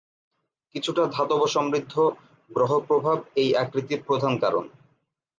কিছুটা ধাতব সমৃদ্ধ, গ্রহ প্রভাব এই আকৃতির প্রধান কারণ।